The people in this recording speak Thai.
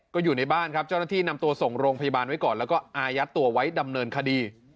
เจ้าหน้าที่นำตัวส่งโรงพยาบาลไว้ก่อนแล้วก็อายัดตัวไว้ดำเนินคดี